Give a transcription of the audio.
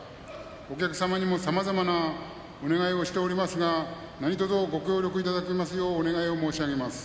お客様にも、さまざまなお願いをしておりますが何とぞ、ご協力いただけますようお願い申し上げます。